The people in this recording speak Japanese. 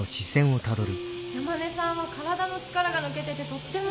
山根さんは体の力が抜けててとってもいいよ。